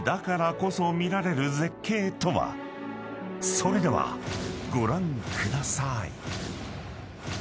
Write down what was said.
［それではご覧ください］